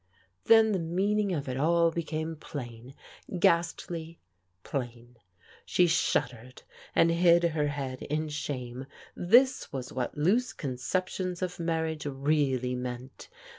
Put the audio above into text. Then the meaning of it all became plain, ghastly plain. She shuddered, and hid her head in shame. This was what loose conceptions of marriage really meant.